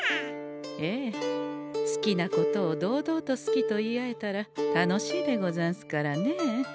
ええ好きなことを堂々と好きと言い合えたら楽しいでござんすからねえ。